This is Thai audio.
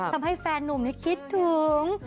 ทำให้แฟนนุ่มนี่คิดถึง